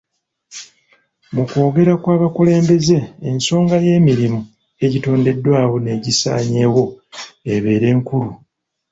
Mu kwogera kw'abakulembeze ensonga y'emirimu egitondeddwawo n'egisaanyeewo ebeera nkulu.